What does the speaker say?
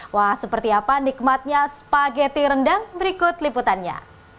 wah seperti apa nikmatnya spageti rendang berikut liputannya